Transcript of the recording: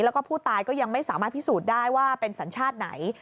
แล้วก็ผู้ตายก็ยังไม่สามารถพิสูจน์ได้ว่าเป็นสัญชาติไหน